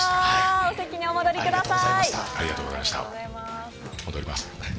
お席にお戻りください。